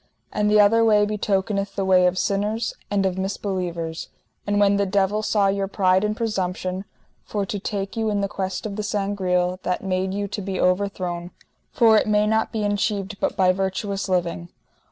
And the other way betokeneth the way of sinners and of misbelievers. And when the devil saw your pride and presumption, for to take you in the quest of the Sangreal, that made you to be overthrown, for it may not be enchieved but by virtuous living.